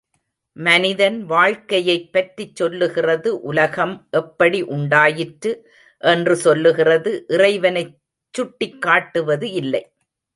மனிதன் வாழ்க்கையைப் பற்றிச் சொல்கிறது உலகம் எப்படி உண்டாயிற்று என்று சொல்கிறது இறைவனைச் சுட்டிக் காட்டுவது இல்லை.